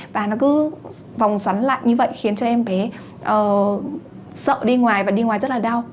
và nó cứ vòng xoắn lạnh như vậy khiến cho em bé sợ đi ngoài và đi ngoài rất là đau